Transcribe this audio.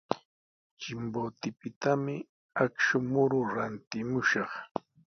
Chimbotepitami akshu muru rantimushaq.